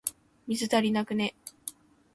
水、足りなくね？